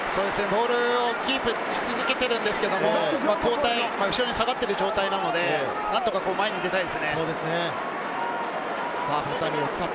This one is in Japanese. ボールをキープし続けているんですけれど、後ろに下がっている状態なので、何とか前に出たいですね。